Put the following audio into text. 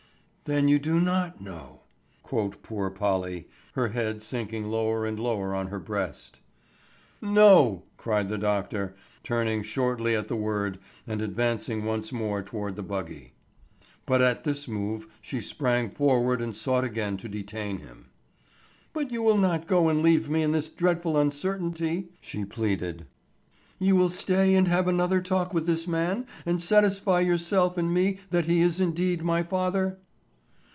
"Then you do not know," quoth poor Polly, her head sinking lower and lower on her breast. "No," cried the doctor, turning shortly at the word and advancing once more toward the buggy. But at this move she sprang forward and sought again to detain him. "But you will not go and leave me in this dreadful uncertainty," she pleaded. "You will stay and have another talk with this man and satisfy yourself and me that he is indeed my father."